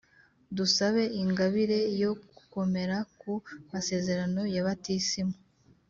dusabe ingabire yo gukomera ku masezerano ya batisimu.